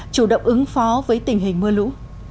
chủ động ứng phó với tình hình mưa lũ